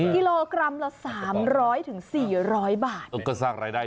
กิโลกรัมละ๓๐๐๔๐๐บาท